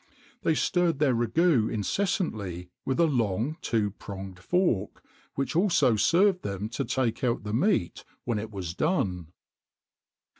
They stirred their ragoût incessantly with a long two pronged fork, which also served them to take out the meat when it was done.